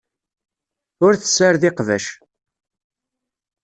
Ur tessared iqbac.